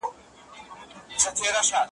یو په نوم د خلیفه خوري خیراتونه `